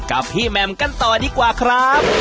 กับพี่แมมกันต่อดีกว่าครับ